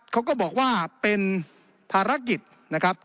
เขาก็บอกว่าเป็นภารกิจนะครับ